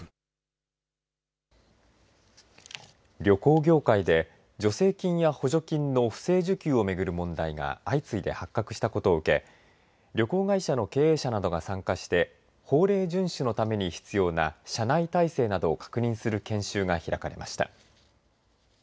旅行業界で助成金や補助金の不正受給をめぐる問題が相次いで発覚したことを受け旅行会社の経営者などが参加して法令順守のために必要な社内体制などを確認する研修が開かれました。